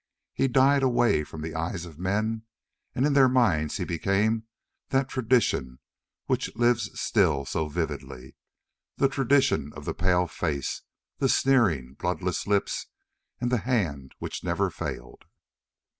He died away from the eyes of men and in their minds he became that tradition which lives still so vividly, the tradition of the pale face, the sneering, bloodless lips, and the hand which never failed.